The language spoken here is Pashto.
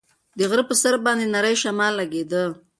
د غره په سر باندې نری شمال لګېده.